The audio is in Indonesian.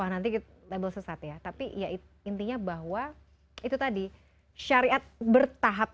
nanti kita label sesat ya tapi ya intinya bahwa itu tadi syariat bertahap